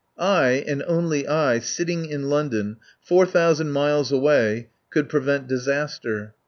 I, and only I, sitting in London, four thou sand miles away, could prevent disaster.